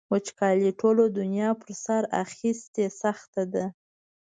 وچکالۍ ټوله دنیا په سر اخیستې سخته ده.